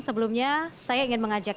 sebelumnya saya ingin mengajak